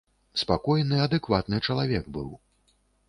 Спакойны, адэкватны чалавек быў.